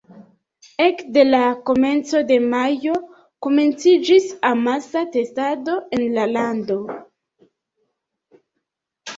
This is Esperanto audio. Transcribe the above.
Ekde la komenco de majo komenciĝis amasa testado en la lando.